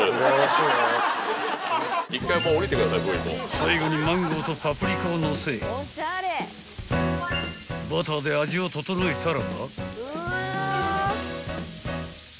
［最後にマンゴーとパプリカをのせバターで味を調えたらば］